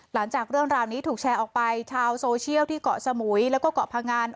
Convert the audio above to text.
หลังจากเรื่องราวนี้ถูกแชร์ออกไปชาวโซเชียลที่เกาะสมุยแล้วก็เกาะพงัน